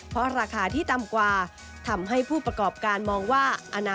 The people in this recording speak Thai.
เพราะราคาที่ต่ำกว่าทำให้ผู้ประกอบการมองว่า